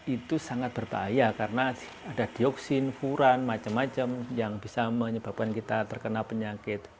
itu sangat berbahaya karena ada dioksin furan macam macam yang bisa menyebabkan kita terkena penyakit